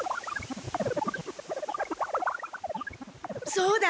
そうだ！